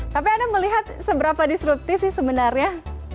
tapi anda melihat seberapa disruptif sih sebenarnya